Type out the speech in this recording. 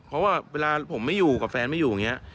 เพราะว่าเวลาผมไม่อยู่กับแฟนไม่อยู่อย่างนี้